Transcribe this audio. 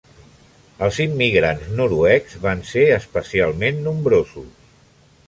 Els immigrants noruecs van ser especialment nombrosos.